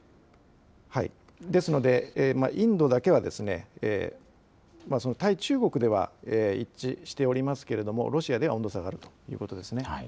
ですので、インドだけは対中国では一致しておりますけれども、ロシアで温度差があるということですね。